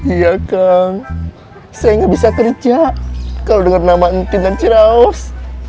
iya kang saya nggak bisa kerja kalau dengar nama entin dan ciraos